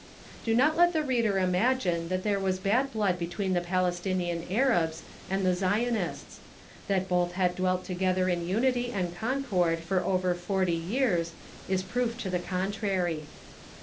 Do not let the reader imagine that there was bad blood between the Palestinian Arabs and the Zionists. That both had dwelt together in unity and concord for over forty years is proof to the contrary.